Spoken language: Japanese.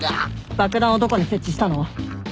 爆弾をどこに設置したの？